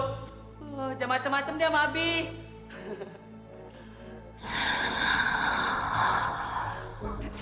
jangan macem macem dia sama abie